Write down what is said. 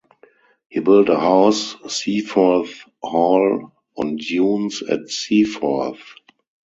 He built a house, Seaforth Hall on dunes at Seaforth.